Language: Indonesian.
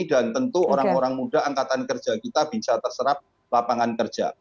dan tentu orang orang muda angkatan kerja kita bisa terserap lapangan kerja